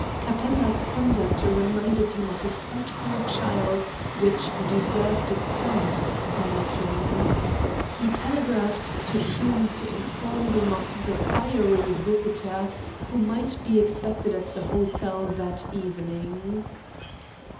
Capella's conduct reminded him of a spiteful child which deserved a sound spanking. He telegraphed to Hume to inform him of the fiery visitor who might be expected at the hotel that evening.